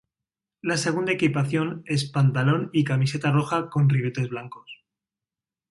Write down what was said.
La segunda equipación es pantalón y camiseta roja con ribetes blancos.